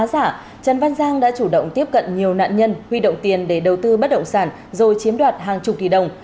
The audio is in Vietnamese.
trần văn giang đã chủ động tiếp cận nhiều nạn nhân huy động tiền để đầu tư bất động sản rồi chiếm đoạt hàng chục tỷ đồng